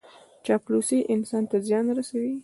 چاپلوسي انسان ته زیان رسوي.